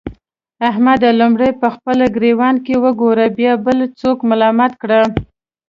احمده! لومړی په خپل ګرېوان کې وګوره؛ بيا بل څوک ملامت کړه.